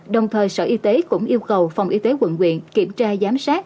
đồng thời sở y tế cũng yêu cầu phòng y tế quận quyện kiểm tra giám sát